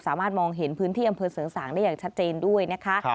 สามารถมองเห็นพื้นที่อำเภอเสริงสางได้อย่างชัดเจนด้วยนะคะ